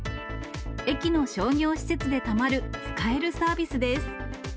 駅の商業施設でたまる使えるサービスです。